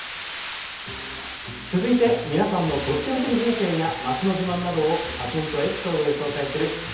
続いて皆さんのとっておきの風景や街の自慢などを写真とエピソードで紹介する＃